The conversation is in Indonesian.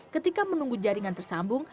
ketika menunggu jaringan tersambung